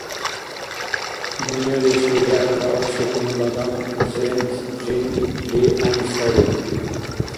Дунъяличир регӀлара ахъси хьунул адам Зент Жин Ли Ан сари.